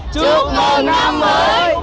chúc mừng năm mới